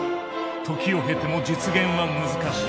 時を経ても実現は難しい。